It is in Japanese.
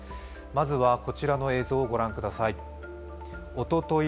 まずはこちらの映像を御覧ください。